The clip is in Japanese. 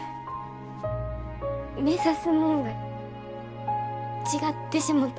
目指すもんが違ってしもた。